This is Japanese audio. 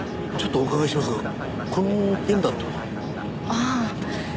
ああ。